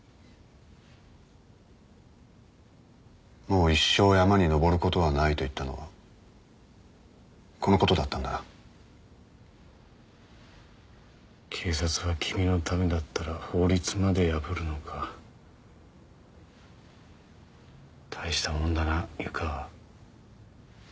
もう一生山に登ることはないと言ったのはこのことだったんだな警察は君のためだったら法律まで破るのか大したもんだな湯川